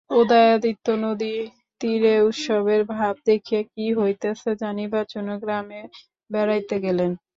উদয়াদিত্য নদীতীরে উৎসবের ভাব দেখিয়া কী হইতেছে জানিবার জন্য গ্রামে বেড়াইতে গেলেন।